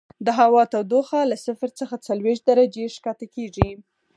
د هوا تودوخه له صفر څخه څلوېښت درجې ښکته کیږي